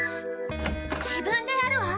自分でやるわ。